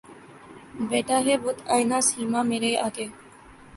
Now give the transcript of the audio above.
بیٹھا ہے بت آئنہ سیما مرے آگے